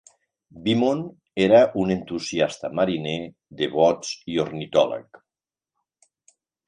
Beamont era un entusiasta mariner de bots i ornitòleg.